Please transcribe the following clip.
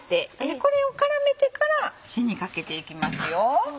これを絡めてから火にかけていきますよ。